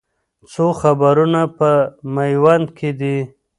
څو قبرونه په میوند کې دي؟